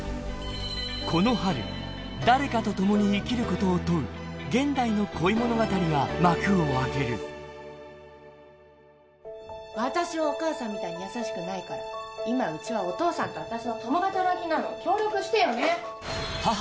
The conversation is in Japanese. この春現代の恋物語が幕を開ける私はお母さんみたいに優しくないから今うちはお父さんと私の共働きなの協力してよね！